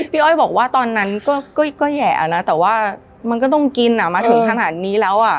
อ้อยบอกว่าตอนนั้นก็แห่อ่ะนะแต่ว่ามันก็ต้องกินมาถึงขนาดนี้แล้วอ่ะ